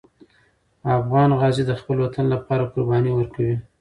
افغان غازي د خپل وطن لپاره قرباني ورکوي.